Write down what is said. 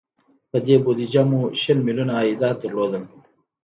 په دې بودجه مو شل میلیونه عایدات درلودل.